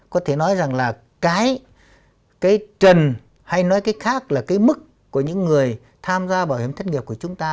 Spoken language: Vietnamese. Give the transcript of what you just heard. có thể nói rằng là cái trần hay nói cái khác là cái mức của những người tham gia bảo hiểm thất nghiệp của chúng ta